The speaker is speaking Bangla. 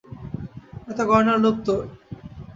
এত গয়নার লোভ তোর!